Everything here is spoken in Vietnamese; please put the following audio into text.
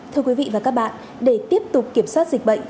thưa quý vị và các bạn để tiếp tục kiểm soát dịch bệnh